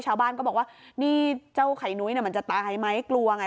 ชาวบ้านก็บอกว่านี่เจ้าไข่นุ้ยมันจะตายไหมกลัวไง